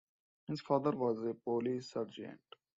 His father was a police sergeant.